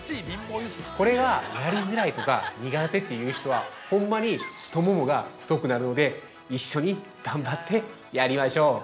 ◆これがやりづらいとか、苦手という人はほんまに太ももが太くなるので一緒に頑張ってやりましょう。